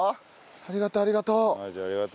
ありがとうありがとう。